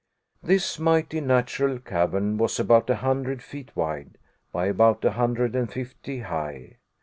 This mighty natural cavern was about a hundred feet wide, by about a hundred and fifty high.